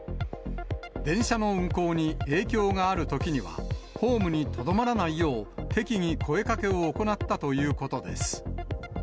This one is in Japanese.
電車の運行に影響があるときには、ホームにとどまらないよう、適宜声かけを行ったということです。